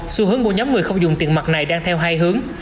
xu hướng mua nhóm người không dùng tiền mặt này đang theo hai hướng